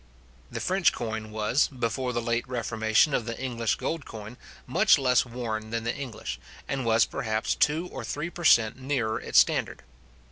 The French coin was, before the late reformation of the English gold coin, much less wore than the English, and was perhaps two or three per cent. nearer its standard.